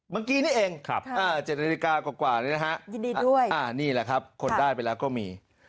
เมื่อกี้นี่เอง๗นาฬิกากว่านี้นะฮะยินดีด้วยนี่แหละครับคนได้ไปแล้วก็มี